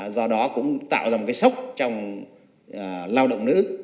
do đó cũng tạo ra một cái sốc trong lao động nữ